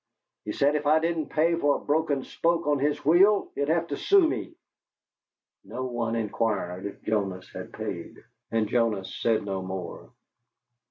"He said if I didn't pay for a broken spoke on his wheel he'd have to sue me!" No one inquired if Jonas had paid, and Jonas said no more.